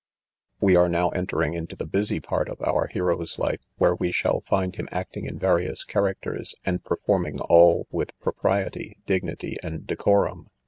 We are now entering into the busy part of our hero's life, where we shall find him acting in various characters, and performing all with propriety, dignity, and decorum.